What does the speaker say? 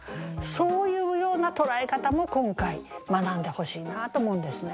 そういうような捉え方も今回学んでほしいなと思うんですね。